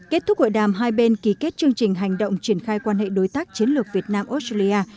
kết thúc hội đàm hai bên ký kết chương trình hành động triển khai quan hệ đối tác chiến lược việt nam australia